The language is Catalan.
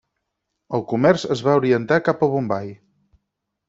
El comerç es va orientar cap a Bombai.